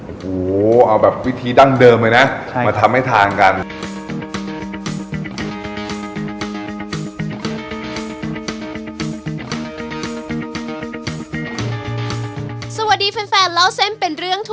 โอ้โหเอาแบบวิธีดั้งเดิมเลยนะ